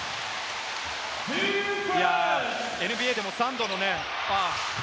ＮＢＡでも、３度のね。